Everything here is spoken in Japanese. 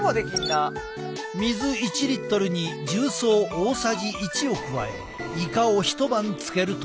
水１リットルに重曹大さじ１を加えイカを一晩つけると。